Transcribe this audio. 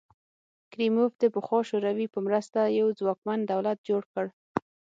کریموف د پخوا شوروي په مرسته یو ځواکمن دولت جوړ کړ.